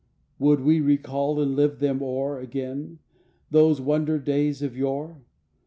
Would we recall and live them o'er Again, those wonder days of yore!